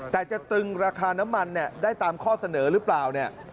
แต่จะตรึงราคาน้ำมันได้ตามข้อเสนอหรือเปล่าเนี่ย